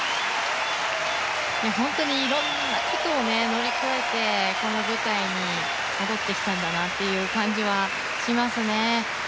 本当にいろんなことを乗り越えてこの舞台に戻ってきたんだなという感じがしますね。